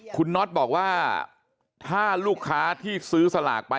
คุณน็อตบอกว่าถ้าลูกค้าที่ซื้อสลากไป